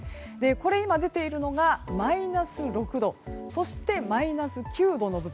今、出ているのがマイナス６度そしてマイナス９度の部分。